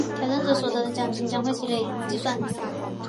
挑战者所得的奖金会累积计算。